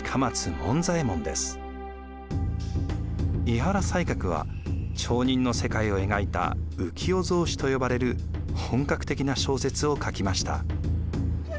井原西鶴は町人の世界を描いた「浮世草子」と呼ばれる本格的な小説を書きました。